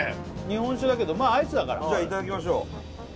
日本酒だけどまあアイスだからじゃあいただきましょう